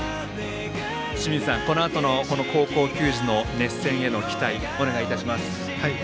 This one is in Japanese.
清水さん、このあとの高校球児への熱戦への期待をお願いいたします。